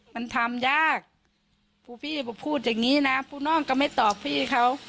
มันทำยากผู้พี่พูดอย่างนี้นะผู้นอกก็ไม่ตอบพี่เขา